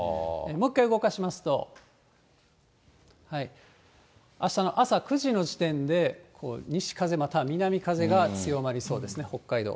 もう一回動かしますと、あしたの朝９時の時点で、西風、または南風が強まりそうですね、北海道。